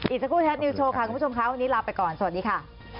อีกสักครู่แท็บนิวโชว์ค่ะคุณผู้ชมค่ะวันนี้ลาไปก่อนสวัสดีค่ะ